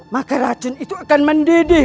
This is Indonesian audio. maka racun itu akan mendidih